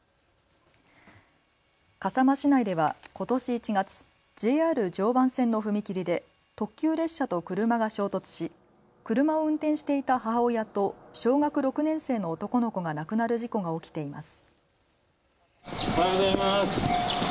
笠間市内ではことし１月、ＪＲ常磐線の踏切で特急列車と車が衝突し車を運転していた母親と小学６年生の男の子が亡くなる事故が起きています。